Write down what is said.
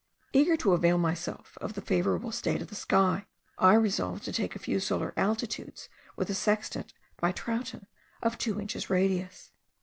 Eager to avail myself of the favourable state of the sky, I resolved to take a few solar altitudes with a sextant by Troughton of two inches radius.